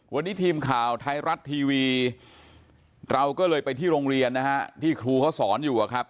วันนี้ทีมข่าวไทยรัฐทีวีเราก็เลยไปที่โรงเรียนนะฮะที่ครูเขาสอนอยู่อะครับ